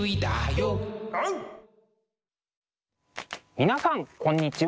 皆さんこんにちは。